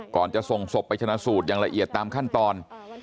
ก่อนจะส่งศพไปชนะสูตรอย่างละเอียดตามขั้นตอน